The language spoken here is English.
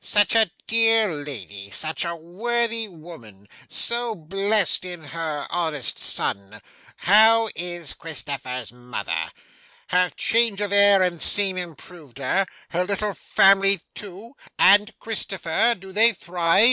'Such a dear lady, such a worthy woman, so blest in her honest son! How is Christopher's mother? Have change of air and scene improved her? Her little family too, and Christopher? Do they thrive?